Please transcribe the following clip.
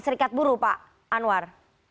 serikat buruh pak anwar